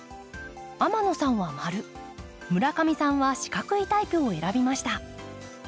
天野さんは丸村上さんは四角いタイプを選びました。